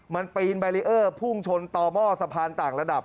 มันปีนแบรีเออร์พุ่งชนต่อหม้อสะพานต่างระดับ